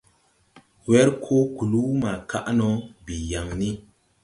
Wer koo kluu mo kaʼ no, bii yaŋ ni.